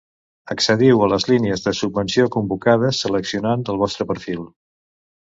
Accediu a les línies de subvenció convocades seleccionant del vostre perfil.